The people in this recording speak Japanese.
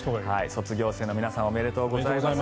卒業生の皆さんおめでとうございます。